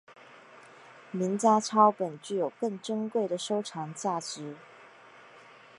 名家抄本具有更珍贵的收藏价值。